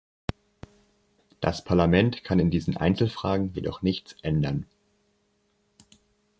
Das Parlament kann in diesen Einzelfragen jedoch nichts ändern.